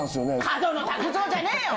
角野卓造じゃねえよ！